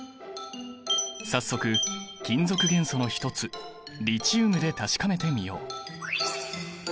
早速金属元素の一つリチウムで確かめてみよう。